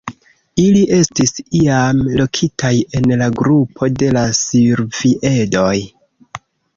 Ili estis iam lokitaj en la grupo de la Silviedoj.